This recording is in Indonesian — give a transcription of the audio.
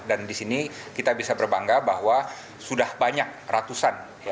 dan di sini kita bisa berbangga bahwa sudah banyak ratusan